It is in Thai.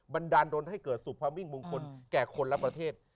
มันดันโดนให้เกิดสุพมิ่งมงคลแก่คนและประเทศ